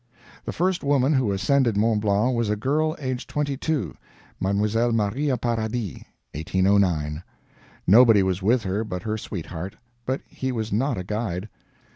The first woman who ascended Mont Blanc was a girl aged twenty two Mlle. Maria Paradis 1809. Nobody was with her but her sweetheart, and he was not a guide.